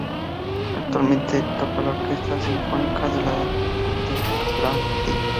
Actualmente toca en la Orquesta Sinfónica de Lahti.